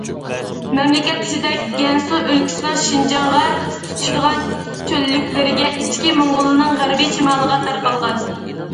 مەملىكەت ئىچىدە گەنسۇ ئۆلكىسىنىڭ شىنجاڭغا تۇتىشىدىغان چۆللۈكلىرىگە، ئىچكى موڭغۇلنىڭ غەربىي شىمالىغا تارقالغان.